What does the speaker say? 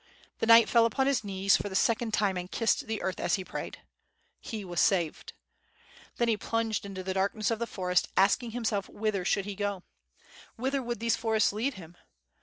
The knight fell upon his knees for the second time and kissed the earth as he prayed. He was saved. Then he plunged into the darkness of the forest, asking himself whither he should go? Whither would these forests lead him?